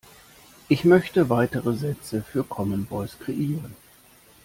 Ich möchte weitere Sätze für Common Voice kreieren.